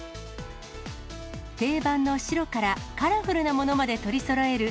定番の白からカラフルなものまで取りそろえる